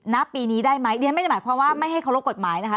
ณปีนี้ได้ไหมเรียนไม่ได้หมายความว่าไม่ให้เคารพกฎหมายนะคะ